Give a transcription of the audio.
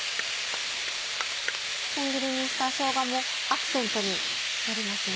千切りにしたしょうがもアクセントになりますね。